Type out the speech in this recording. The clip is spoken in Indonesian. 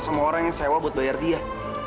semua orang yang sewa buat bayar dia